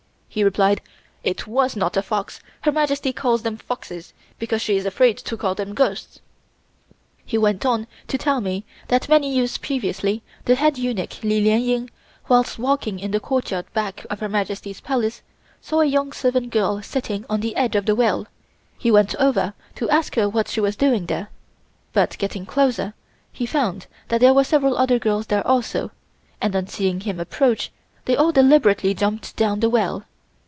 He replied: "It was not a fox. Her Majesty calls them foxes, because she is afraid to call them ghosts." He went on to tell me that many years previously the head eunuch, Li Lien Ying, while walking in the courtyard back of Her Majesty's Palace, saw a young servant girl sitting on the edge of the well. He went over to ask her what she was doing there, but on getting closer he found that there were several other girls there also, and on seeing him approach, they all deliberately jumped down the well.